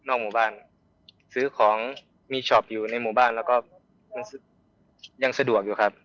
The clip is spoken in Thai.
หมู่บ้านซื้อของมีช็อปอยู่ในหมู่บ้านแล้วก็ยังสะดวกอยู่ครับ